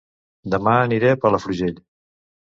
Dema aniré a Palafrugell